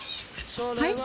はい？